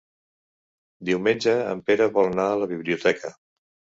Diumenge en Pere vol anar a la biblioteca.